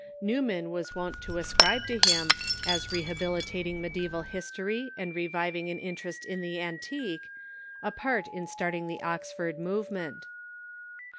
New man was wont to ascribe to him, as rehabilitating mediaeval history and reviving an interest in the antique, a part in start ing the Oxford movement.